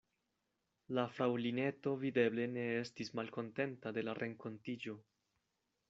La fraŭlineto videble ne estis malkontenta de la renkontiĝo.